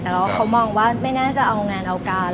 แต่ว่าเขามองว่าไม่น่าจะเอางานเอาการ